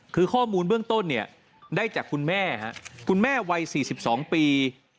คือข้อมูลเบื้องต้นเนี่ยได้จากคุณแม่คุณแม่วัย๔๒ปี